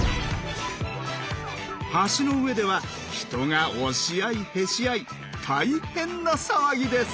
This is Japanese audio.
橋の上では人が押し合いへし合い大変な騒ぎです！